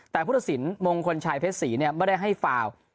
แต่ผู้ละสินมงคลชายเพศศรีไม่ได้ให้ฟาว